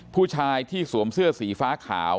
ผู้ชายที่สวมเสื้อสีฟ้าขาว